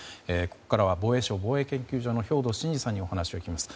ここからは防衛省防衛研究所の兵頭慎治さんにお話を伺います。